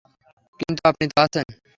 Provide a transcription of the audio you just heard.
কিন্তু আপনি তো আছেন।